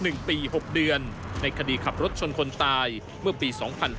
หลังถูกจำคุก๖เดือนในคดีขับรถชนคนตายเมื่อปี๒๕๔๘